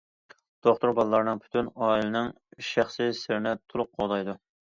دوختۇر بالىلارنىڭ، پۈتۈن ئائىلىنىڭ شەخسىي سىرىنى تولۇق قوغدايدۇ.